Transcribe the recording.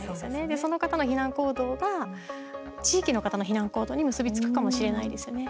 で、その方の避難行動が地域の方の避難行動に結び付くかもしれないですよね。